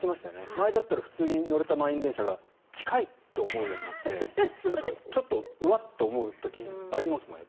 前だったら普通に乗れた満員電車が近いと思うようになってうわっと思う時ありますね。